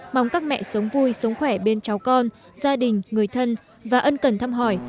mong các mẹ sống vui sống khỏe bên cháu con gia đình người thân và ân cần thăm hỏi